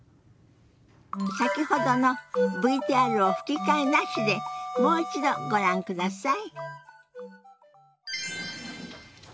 先ほどのＶＴＲを吹き替えなしでもう一度ご覧ください。